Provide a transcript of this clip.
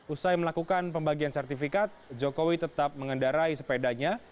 usai melakukan pembagian sertifikat jokowi tetap mengendarai sepedanya